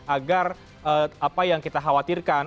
agar apa yang kita khawatirkan